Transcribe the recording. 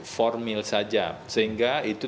formil saja sehingga itu